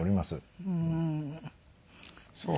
そう。